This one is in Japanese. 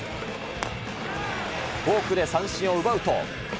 フォークで三振を奪うと。